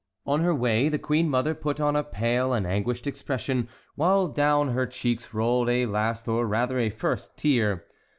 On her way the queen mother put on a pale and anguished expression, while down her cheeks rolled a last or rather a first tear.